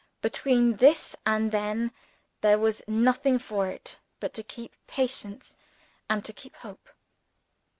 Between this and then, there was nothing for it but to keep patience and to keep hope.